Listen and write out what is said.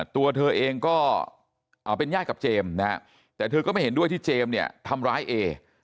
ตัวเธอเองก็เป็นญาติกับเจมแต่เธอก็ไม่เห็นด้วยที่เจมทำร้ายเอ